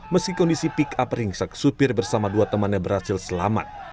meski kondisi pikap ringsak supir bersama dua temannya berhasil selamat